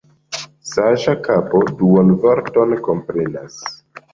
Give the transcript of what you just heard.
Saĝa kapo duonvorton komprenas.